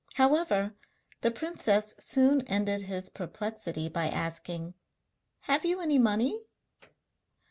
However, the princess soon ended his perplexity by asking: 'Have you any money?'